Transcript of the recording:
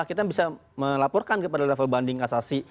kita bisa melaporkan kepada level banding kasasi